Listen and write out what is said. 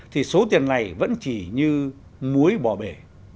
thì số tiền này vẫn chỉ như muối bò bể